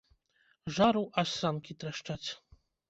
Жару, аж санкі трашчаць.